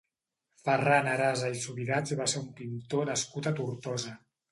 Ferran Arasa i Subirats va ser un pintor nascut a Tortosa.